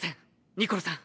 ニコロさん。